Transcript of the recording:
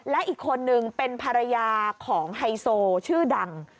และอีกคนนึงเป็นภรรยาของไฮโซชื่อดัง